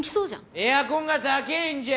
エアコンが高ぇんじゃ！